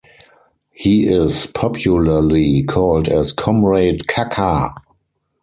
He is popularly called as comrade Kaka.